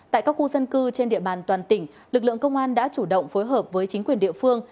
tại các khu dân cư trên địa bàn toàn tỉnh lực lượng công an đã chủ động phối hợp với chính quyền địa phương